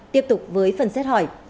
tiếp tục với phần xét hỏi